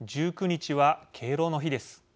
１９日は敬老の日です。